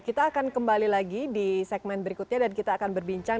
kita akan kembali lagi di segmen berikutnya dan kita akan berbincang